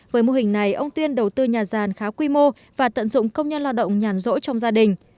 với mô hình này ông tuyên đầu tư nhà giàn khá quy mô và tận dụng công nhân lao động nhàn rỗi trong gia đình